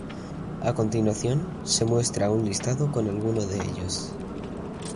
A continuación, se muestra un listado con algunos de ellos.